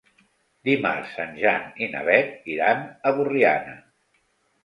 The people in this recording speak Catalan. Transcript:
Dimarts en Jan i na Beth iran a Borriana.